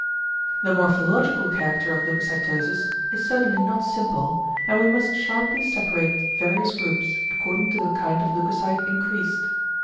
The ~morphological character of leucocytosis~ is certainly not simple, and we must sharply separate various groups, according to the kind of leucocyte increased.